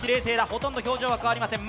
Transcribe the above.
ほとんど表情が変わりません。